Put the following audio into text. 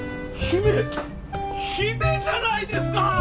姫じゃないですか！